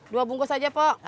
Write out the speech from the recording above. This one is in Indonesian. dua bungkus aja poh